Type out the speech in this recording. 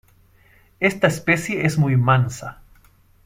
Esta especie es muy mansa.